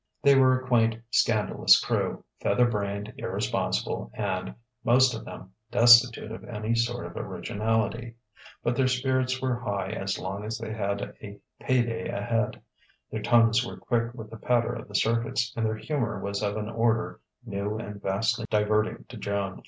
They were a quaint, scandalous crew, feather brained, irresponsible and, most of them, destitute of any sort of originality; but their spirits were high as long as they had a pay day ahead, their tongues were quick with the patter of the circuits, and their humour was of an order new and vastly diverting to Joan.